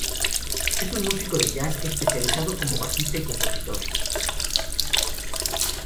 Es un músico de jazz, especializado como bajista y compositor.